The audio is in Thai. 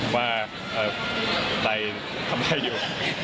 ว่าอ่าใบคำถามยังอยู่